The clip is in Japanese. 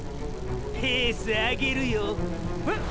ペース上げるよ。え？